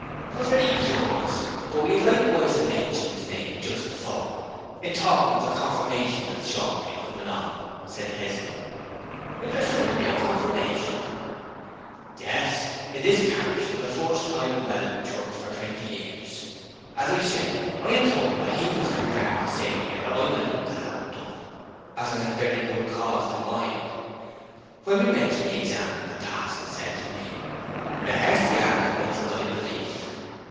''Twas very curious; but we had likewise a mentioned his name just afore, in talking of the confirmation that's shortly coming on,' said Hezzy. 'Is there soon to be a confirmation?' 'Yes. In this parish the first time in Welland church for twenty years. As I say, I had told 'em that he was confirmed the same year that I went up to have it done, as I have very good cause to mind. When we went to be examined, the pa'son said to me, "Rehearse the articles of thy belief."